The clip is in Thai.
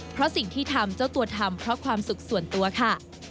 เพราะสิ่งที่ทำเจ้าตัวทำเพราะความสุขส่วนตัวค่ะ